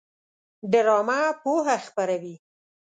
ډرامه پوهه خپروي